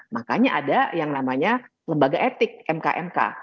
makanya ada yang namanya lembaga etik mkmk